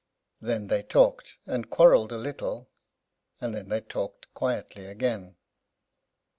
Then they talked, and quarrelled a little; and then they talked quietly again.